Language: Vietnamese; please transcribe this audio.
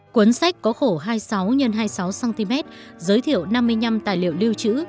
cuốn sách có khổ hai mươi sáu x hai mươi sáu cm giới thiệu năm mươi năm tài liệu lưu trữ